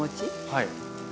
はい。